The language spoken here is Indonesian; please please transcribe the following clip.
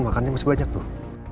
makannya masih banyak tuh